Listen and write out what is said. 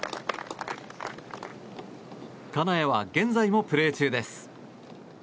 金谷は現在もプレー中です。